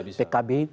baik di depan pkb